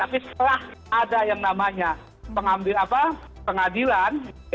tapi setelah ada yang namanya pengambil pengadilan